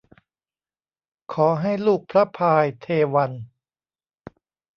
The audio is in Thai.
ขอให้ลูกพระพายเทวัญ